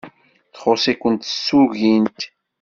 Txuṣṣ-iken tsugint.